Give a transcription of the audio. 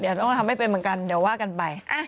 เดี๋ยวต้องทำให้เป็นเหมือนกันเดี๋ยวว่ากันไป